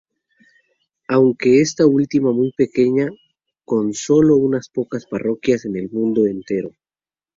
Aunque esta última muy pequeña, con solo unas pocas parroquias en el mundo entero.